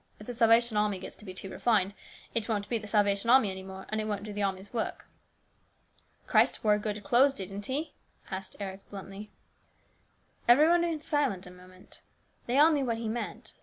" If the Salvation Army gets to be too refined, it won't be the Salvation Army any more, and it won't do the army's work." " Christ wore good clothes, didn't he ?" asked Eric bluntly. Everybody was silent a minute. They all knew what he meant.